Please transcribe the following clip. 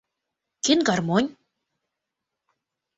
Кӧн гармонь?